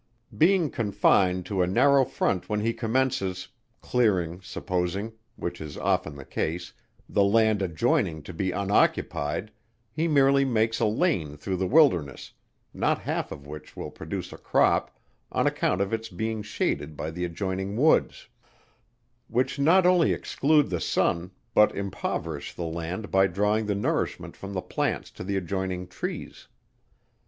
Being confined to a narrow front when he commences, clearing, supposing, (which is often the case,) the land adjoining to be unoccupied, he merely makes a lane through the wilderness, not half of which will produce a crop, on account of its being shaded by the adjoining woods: which not only exclude the sun, but impoverish the land by drawing the nourishment from the plants to the adjoining trees.